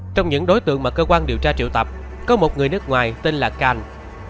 trong những đối tượng mà cơ quan điều tra triệu tập có một người nước ngoài tên là khanh